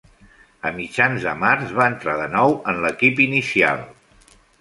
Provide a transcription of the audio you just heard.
A mitjans de març, va entrar de nou en l'equip inicial.